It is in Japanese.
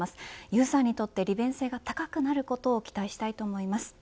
ユーザーにとって利便性が高くなることを期待したいと思います。